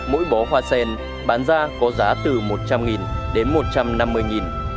mỗi bó hoa sen bán ra có giá từ một trăm linh đến một trăm năm mươi đồng